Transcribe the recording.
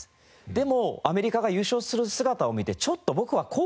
でも「アメリカが優勝する姿を見てちょっと僕は後悔したんだ」